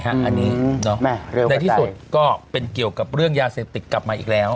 อันนี้ในที่สุดก็เป็นเกี่ยวกับเรื่องยาเสพติดกลับมาอีกแล้ว